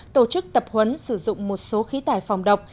tổ chức tập huấn sử dụng một số khí tải phòng độc